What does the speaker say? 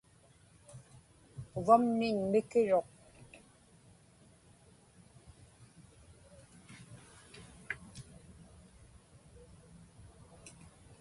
Uvamniñ mikiruq.